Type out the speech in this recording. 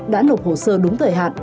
đã lục hồ sơ đúng thời hạn